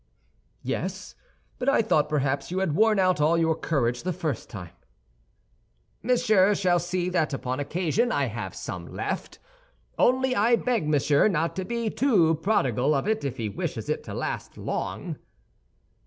"Yes, but I thought perhaps you had worn out all your courage the first time." "Monsieur shall see that upon occasion I have some left; only I beg Monsieur not to be too prodigal of it if he wishes it to last long."